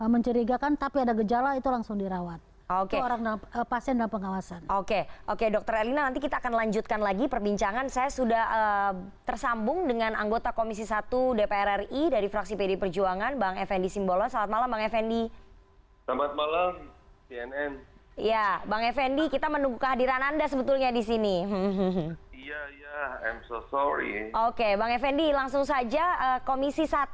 menilai pemerintah ini